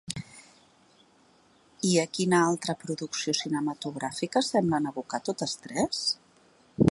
I a quina altra producció cinematogràfica semblen evocar totes tres?